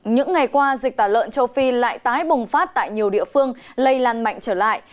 những ngày qua dịch tả lợn châu phi lại tái bùng phát tại nhiều địa phương lây lan mạnh trở lại